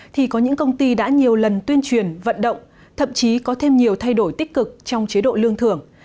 thì có những công ty đã nhiều lần tuyên truyền vận động thậm chí có thêm nhiều thay đổi tích cực trong chế độ lương thưởng